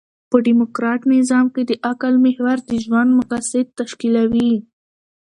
په ډيموکراټ نظام کښي د عقل محور د ژوند مقاصد تشکیلوي.